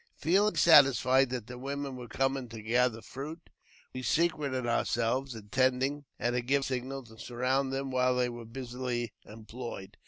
Feeling satisfied that the women wei coming to gather fruit, we secreted ourselves, intending, at a given signal, to surround them while they were busily employed.